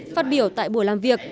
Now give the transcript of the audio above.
phát biểu tại buổi làm việc